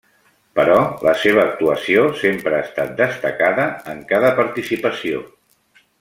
Però la seva actuació sempre ha estat destacada en cada participació.